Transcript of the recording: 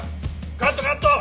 カットカット！